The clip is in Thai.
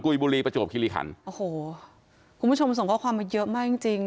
บุรีประจวบคิริคันโอ้โหคุณผู้ชมส่งข้อความมาเยอะมากจริงจริง